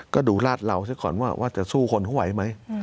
ก็ดูราดเราซะก่อนว่าจะสู้คนเขาไหวไหม